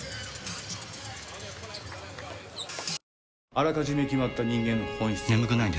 あらかじめ決まった人間の本質はありません。